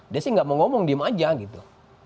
dia sih nggak mau ngomong diem aja gitu